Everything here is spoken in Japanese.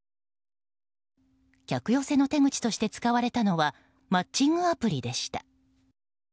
客寄せの手口として使われたのはマッチングアプリでした。